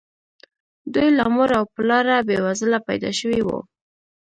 دوی له مور او پلاره بې وزله پيدا شوي وو.